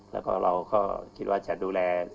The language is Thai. แล้วก็เราก็คิดว่าจะดูแล